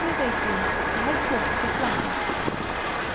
Novsesium, the head quarters of Flaccus.